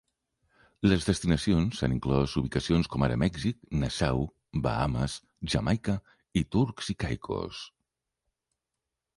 Les destinacions han inclòs ubicacions com ara Mèxic, Nassau, Bahames, Jamaica i Turks i Caicos.